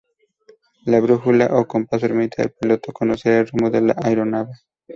La brújula o compás permite al piloto conocer el rumbo de la aeronave.